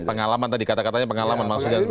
pengalaman tadi kata katanya pengalaman maksudnya